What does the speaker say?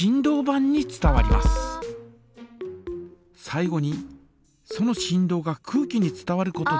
最後にその振動が空気に伝わることで。